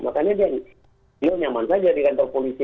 makanya dia nyaman saja di kantor polisi